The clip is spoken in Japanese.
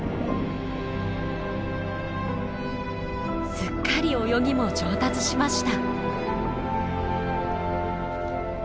すっかり泳ぎも上達しました。